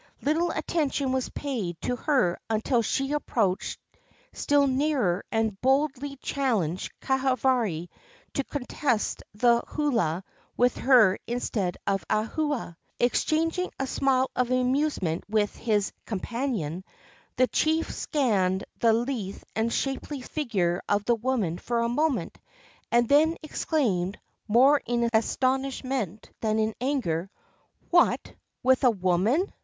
Little attention was paid to her until she approached still nearer and boldly challenged Kahavari to contest the holua with her instead of Ahua. Exchanging a smile of amusement with his companion, the chief scanned the lithe and shapely figure of the woman for a moment, and then exclaimed, more in astonishment than in anger, — "What! with a woman?"